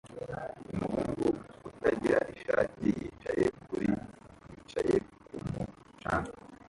Umuhungu utagira ishati yicaye kuri yicaye kumu canga